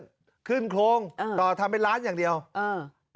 กูพื้นขึ้นโครงต่อทำให้ล้านอย่างเดียวอ่า